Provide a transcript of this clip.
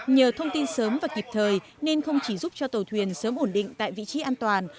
nhờ thông tin sớm và kịp thời nên không chỉ giúp cho tàu thuyền sớm ổn định tại vị trí an toàn